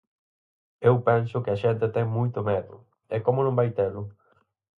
Eu penso que a xente ten moito medo, e como non vai telo?